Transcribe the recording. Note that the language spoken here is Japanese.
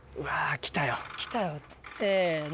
来たよせの。